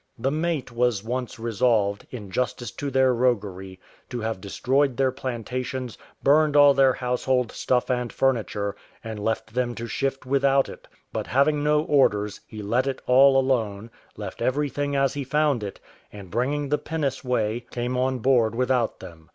The mate was once resolved, in justice to their roguery, to have destroyed their plantations, burned all their household stuff and furniture, and left them to shift without it; but having no orders, he let it all alone, left everything as he found it, and bringing the pinnace way, came on board without them.